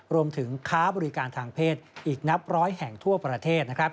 รวมถึงค้าบริการทางเพศอีกนับร้อยแห่งทั่วประเทศ